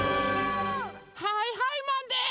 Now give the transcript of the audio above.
はいはいマンです！